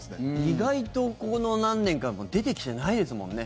意外とこの何年かも出てきてないですもんね。